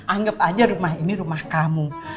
anggap aja rumah ini rumah kamu